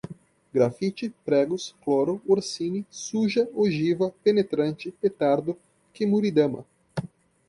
grafite, pregos, cloro, orsini, suja, ogiva, penetrante, petardo, kemuridama